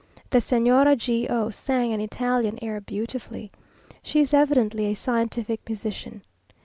The Señora G o sang an Italian air beautifully. She is evidently a scientific musician.